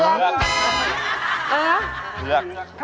เรือกเรือกเออ